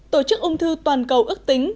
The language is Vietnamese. tổ chức ung thư toàn cầu ước tính